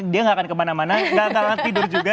dia nggak akan kemana mana gak akan tidur juga